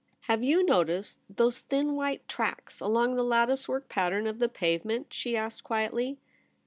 * Have you noticed those thin white tracks along the lattice work pattern of the pave ment ?' she asked quietly.